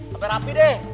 sampai rapi deh